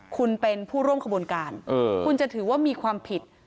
คุณเป็นผู้ร่วมขบวนการคุณจะถือว่ามีความผิด